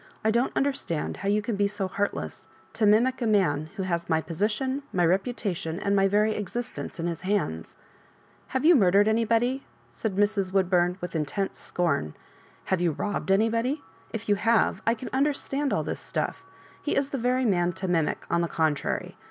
I don't understand how you can be so heartlesa To mimic a man who has my position, my reputation, my very existence in his hands I" "Have you murdered anybody?" said Mrs. Woodburn, with intense scorn. " Have foxi rob bed anybody ? If you have, I can understand all this stuff. He is the very man to mimic, on the contrary.